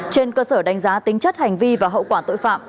trên cơ sở đánh giá tính chất hành vi và hậu quả tội phạm